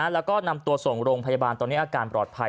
แล้วก็นำตัวส่งโรงพยาบาลตอนนี้อาการปลอดภัย